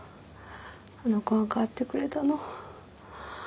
あの子が変わってくれたの。